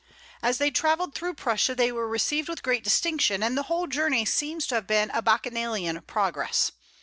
As they travelled through Prussia they were received with great distinction, and the whole journey seems to have been a Bacchanalian progress.